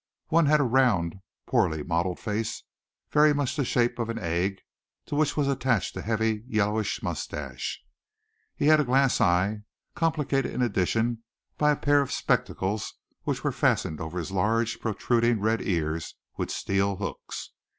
One had a round, poorly modeled face very much the shape of an egg, to which was attached a heavy yellowish mustache. He had a glass eye, complicated in addition by a pair of spectacles which were fastened over his large, protruding red ears with steel hooks.